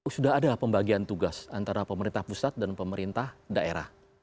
sudah ada pembagian tugas antara pemerintah pusat dan pemerintah daerah